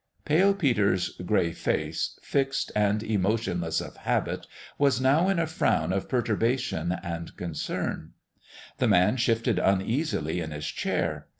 Pale Peter's gray face, fixed and emotionless of habit, was now in a frown of perturbation and concern. The man shifted uneasily in his chair.